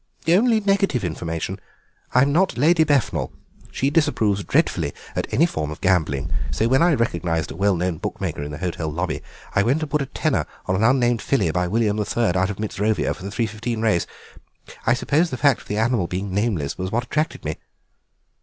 "Only negative information. I'm not Lady Befnal. She disapproves dreadfully of any form of gambling, so when I recognised a well known book maker in the hotel lobby I went and put a tenner on an unnamed filly by William the Third out of Mitrovitza for the three fifteen race. I suppose the fact of the animal being nameless was what attracted me."